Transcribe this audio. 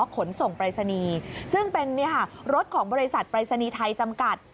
ขนส่งปรายศนีย์ซึ่งเป็นรถของบริษัทปรายศนีย์ไทยจำกัด